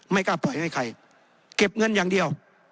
กล้าปล่อยให้ใครเก็บเงินอย่างเดียว